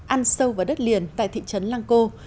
ăn sâu vào đất liền tại thị trấn lang co